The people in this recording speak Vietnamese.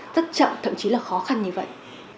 rất chậm thậm chí là khó khăn như vậy